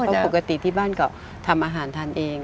เพราะปกติที่บ้านก็ทำอาหารทานเอง